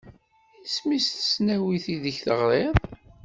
Isem-is i tesnawit ideg teɣriḍ?